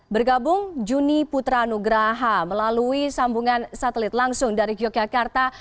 bergabung juni putra nugraha melalui sambungan satelit langsung dari yogyakarta